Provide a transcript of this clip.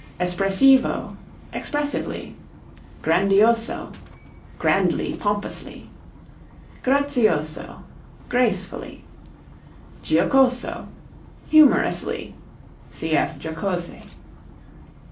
Espressivo expressively. Grandioso grandly, pompously. Grazioso gracefully. Giocoso humorously, (cf. jocose).